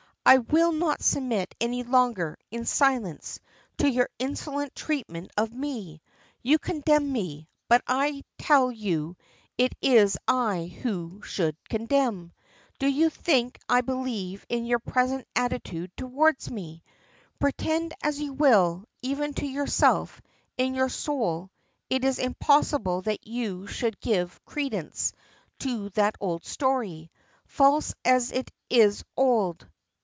"I will not submit any longer, in silence, to your insolent treatment of me. You condemn me, but I tell you it is I who should condemn. Do you think I believe in your present attitude toward me? Pretend as you will, even to yourself, in your soul it is impossible that you should give credence to that old story, false as it is old.